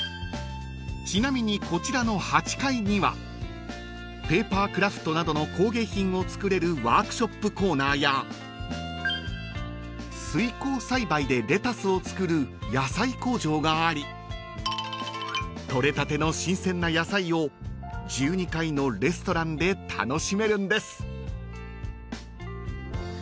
［ちなみにこちらの８階にはペーパークラフトなどの工芸品を作れるワークショップコーナーや水耕栽培でレタスを作る野菜工場があり取れたての新鮮な野菜を１２階のレストランで楽しめるんです］